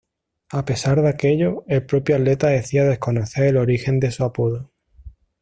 A pesar de aquello, el propio atleta decía desconocer el origen de su apodo.